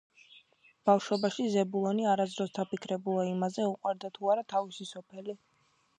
ბავშვობაში ზებულონი არასდროს დაფიქრებულა იმაზე, უყვარდა თუ არა თავისი სოფელი